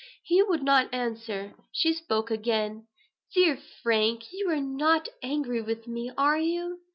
He would not answer. She spoke again: "Dear Frank, you are not angry with me, are you?